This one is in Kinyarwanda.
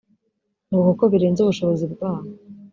ngo kuko birenze ubushobozi bwabo